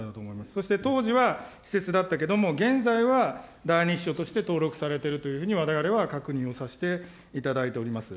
そして当時は、私設だったけれども、現在は第２秘書として登録されているというふうに、われわれは確認をさせていただいております。